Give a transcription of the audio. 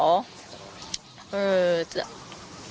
ลุงสณีย์เว้นวิชาคมีนอย่างนี้ค่ะ